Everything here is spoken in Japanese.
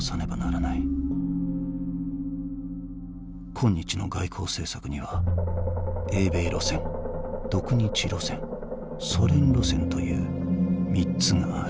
「今日の外交政策には英米路線独日路線ソ連路線という３つがある」。